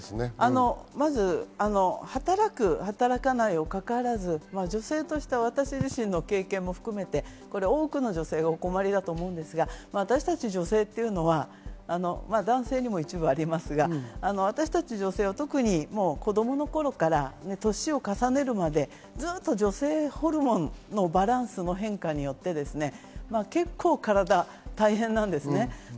まず働く、働かないにかかわらず、女性として私自身の経験も含めて多くの女性がお困りだと思うんですが、私たち女性というのは男性にも一部ありますが、私たち女性は特に子供の頃から年を重ねるまでずっと女性ホルモンのバランスの変化によって結構、体が大変なんですね。